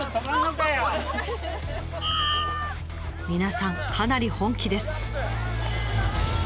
皆さんかなり本気です。